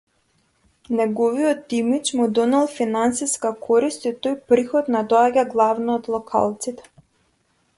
Неговиот имиџ му донел финансиска корист и тој приход не доаѓа главно од локалците.